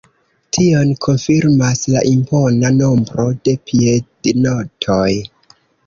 Tion konfirmas la impona nombro de piednotoj.